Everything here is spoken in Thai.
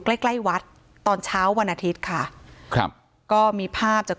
ใกล้ใกล้วัดตอนเช้าวันอาทิตย์ค่ะครับก็มีภาพจาก